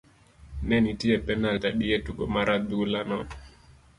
ne nitie penalt adi e tugo mar adhula no?